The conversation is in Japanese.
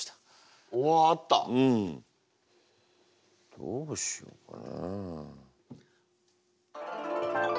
どうしようかな？